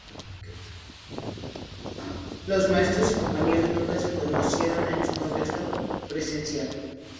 Los maestros y compañeros nunca se conocieron en un contexto presencial.